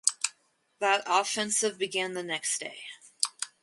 That offensive began the next day.